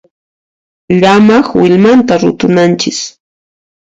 Llamaq willmanta rutunanchis.